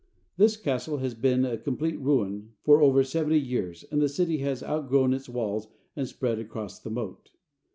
This castle has been a complete ruin for over seventy years and the city has outgrown its walls and spread across the moat.